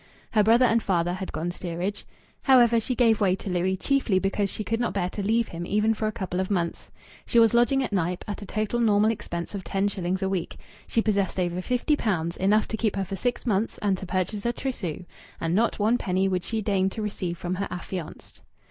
Her brother and father had gone steerage. However, she gave way to Louis, chiefly because she could not bear to leave him even for a couple of months. She was lodging at Knype, at a total normal expense of ten shillings a week. She possessed over fifty pounds enough to keep her for six months and to purchase a trousseau, and not one penny would she deign to receive from her affianced.